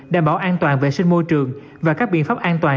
đảm bảo an toàn vệ sinh môi trường và các biện pháp an toàn